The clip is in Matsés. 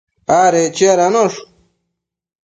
adec chiadanosh